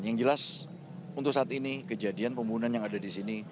yang jelas untuk saat ini kejadian pembunuhan yang ada di sini